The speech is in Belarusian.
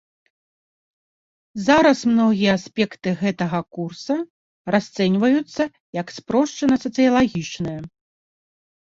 Зараз многія аспекты гэтага курса расцэньваюцца як спрошчана-сацыялагічныя.